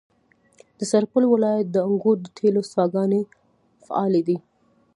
د سرپل ولایت د انګوت د تیلو څاګانې فعالې دي.